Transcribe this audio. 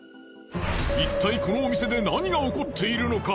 いったいこのお店で何が起こっているのか。